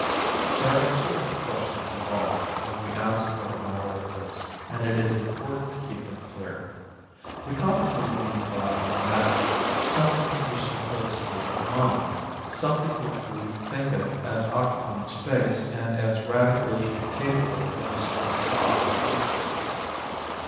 There are two different questions involved when we ask whether matter exists, and it is important to keep them clear. We commonly mean by 'matter' something which is opposed to 'mind', something which we think of as occupying space and as radically incapable of any sort of thought or consciousness.